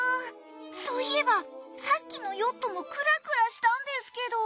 そういえばさっきのヨットもクラクラしたんですけど。